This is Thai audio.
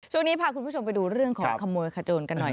ช่วงนี้พาคุณผู้ชมไปดูเรื่องของขโมยขโจนกันหน่อย